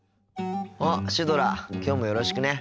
あっシュドラきょうもよろしくね。